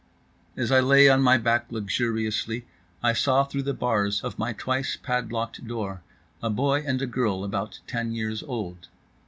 As I lay on my back luxuriously, I saw through the bars of my twice padlocked door a boy and a girl about ten years old.